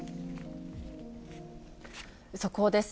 速報です。